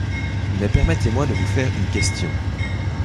Mais permettez-moi de vous faire une question.